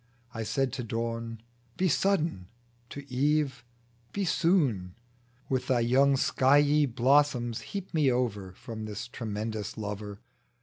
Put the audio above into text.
I said to dawn, Be sudden ; to eve, Be soon ; With thy young skiey blossoms heap me over From this tremendous Lover I